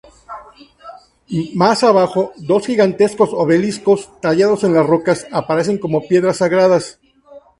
Más abajo, dos gigantescos obeliscos, tallados en las rocas, aparecen como piedras sagradas".